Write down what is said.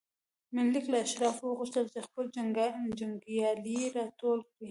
منیلیک له اشرافو وغوښتل چې خپل جنګیالي راټول کړي.